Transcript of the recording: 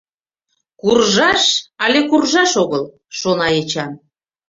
«Куржаш але куржаш огыл?», — шона Эчан.